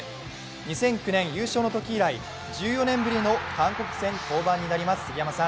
２００９年優勝のとき以来、１４年ぶりの韓国戦登板になります。